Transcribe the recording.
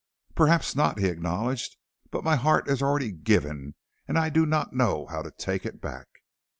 "Perhaps not," he acknowledged, "but my heart is already given and I do not know how to take it back."